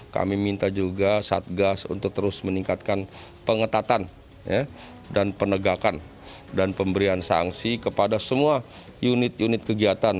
kami minta juga satgas untuk terus meningkatkan pengetatan dan penegakan dan pemberian sanksi kepada semua unit unit kegiatan